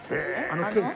あの？